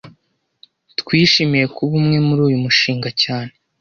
Twishimiye kuba umwe muri uyu mushinga cyane